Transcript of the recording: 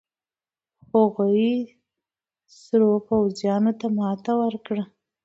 هغوې سرو پوځيانو ته ماتې ورکړه.